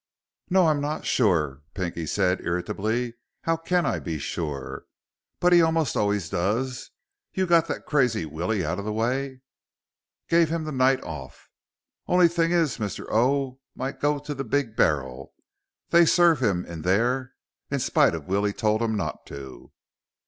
"No, I'm not sure," Pinky said irritably. "How can I be sure? But he almost always does. You got that crazy Willie out of the way?" "Gave him the night off." "Only thing is, Mr. O. might go to the Big Barrel. They serve him in there in spite of Willie told 'em not to."